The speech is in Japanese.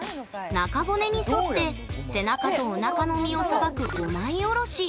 中骨にそって、背中とおなかの身をさばく５枚おろし。